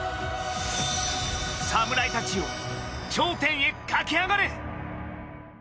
侍たちよ、頂点へ駆け上がれ！